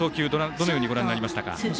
どのようにご覧になりましたか。